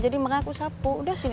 jadi makanya aku sapu udah sini